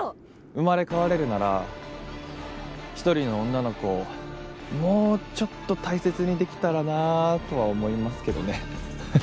生まれ変われるなら一人の女の子をもうちょっと大切にできたらなーとは思いますけどね。